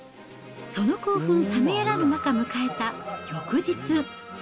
その興奮冷めやらぬ中、迎えた翌日。